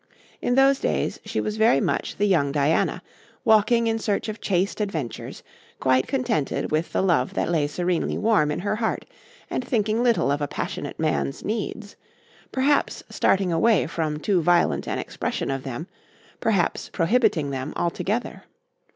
In those days she was very much the young Diana, walking in search of chaste adventures, quite contented with the love that lay serenely warm in her heart and thinking little of a passionate man's needs perhaps starting away from too violent an expression of them perhaps prohibiting them altogether.